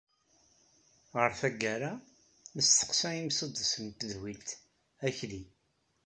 Ɣer taggara, nesteqsa imsuddes n tedwilt Akli.